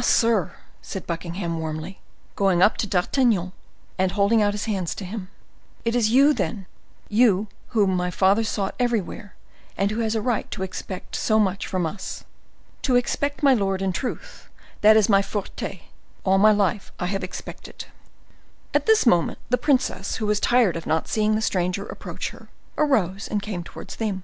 sir," said Buckingham, warmly, going up to D'Artagnan, and holding out his hand to him, "it is you, then—you whom my father sought everywhere and who had a right to expect so much from us." "To expect, my lord, in truth, that is my forte; all my life I have expected." At this moment, the princess, who was tired of not seeing the stranger approach her, arose and came towards them.